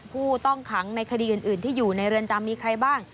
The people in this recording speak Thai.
ผู้ต้องขังในคดีอื่นที่อยู่ในเรือนจำมีใครบ้าง